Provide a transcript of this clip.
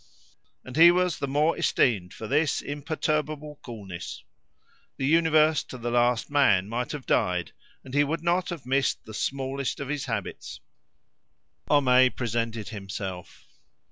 And he was the more esteemed for this imperturbable coolness. The universe to the last man might have died, and he would not have missed the smallest of his habits. Homais presented himself.